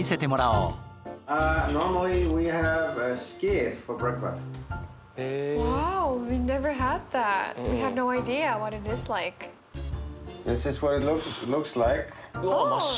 うわ真っ白。